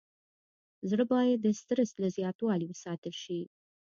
زړه باید د استرس له زیاتوالي وساتل شي.